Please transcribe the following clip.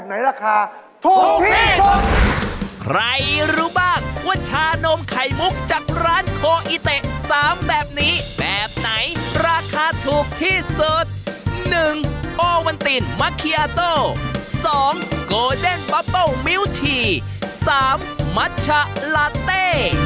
ในราคาถูกที่สุด๑โอเวนตินมัคเคียโตะ๒โกเด้นบับเบิ้ลมิ้วที๓มัชชะลาเต้